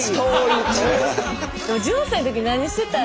１８歳の時何してたやろ。